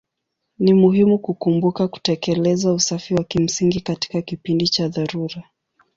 Ni muhimu kukumbuka kutekeleza usafi wa kimsingi katika kipindi cha dharura.